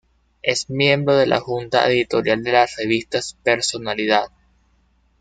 Es miembro de la junta editorial de las revistas "Personalidad.